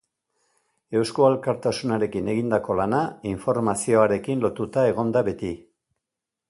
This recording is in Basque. Eusko Alkartasunarekin egindako lana informazioarekin lotuta egon da beti.